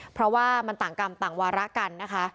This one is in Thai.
เพราะว่ามันต่างกรรมต่างวาระกันนะคะ